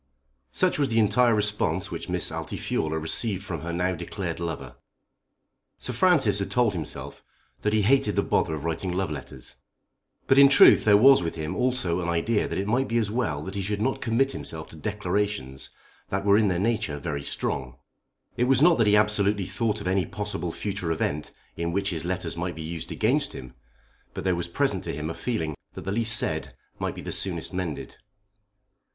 Such was the entire response which Miss Altifiorla received from her now declared lover. Sir Francis had told himself that he hated the bother of writing love letters. But in truth there was with him also an idea that it might be as well that he should not commit himself to declarations that were in their nature very strong. It was not that he absolutely thought of any possible future event in which his letters might be used against him, but there was present to him a feeling that the least said might be the soonest mended.